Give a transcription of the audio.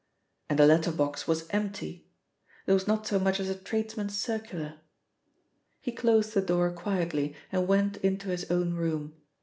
And the letter box was empty! There was not so much as a tradesman's circular. He closed the door quietly and went into his own room.